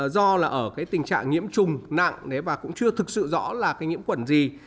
do là ở tình trạng nhiễm trùng nặng và cũng chưa thực sự rõ là nhiễm khuẩn gì